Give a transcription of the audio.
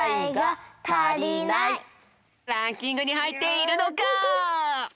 ランキングにはいっているのか！？